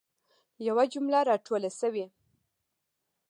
یوه جمله را توله سوي.